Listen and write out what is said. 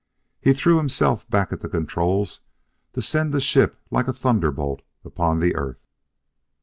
He threw himself back at the controls to send the ship like a thunderbolt upon the earth.